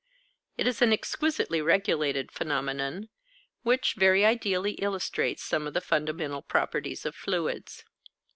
It is an exquisitely regulated phenomenon, which very ideally illustrates some of the fundamental properties of fluids.